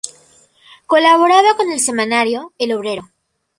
Colaboraba con el semanario "El Obrero".